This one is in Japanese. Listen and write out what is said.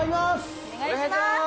お願いします！